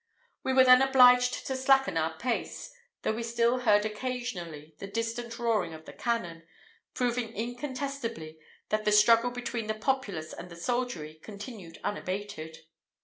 We were then obliged to slacken our pace, though we still heard occasionally the distant roaring of the cannon, proving incontestably that the struggle between the populace and the soldiery continued unabated.